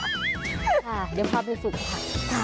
เดี๋ยวพาไปฝึกค่ะ